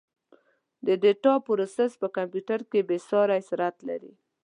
د ډیټا پروسس په کمپیوټر کې بېساري سرعت لري.